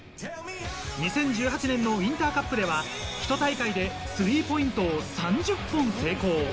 ２０１８年のウインターカップでは、ひと大会でスリーポイントを３０本成功。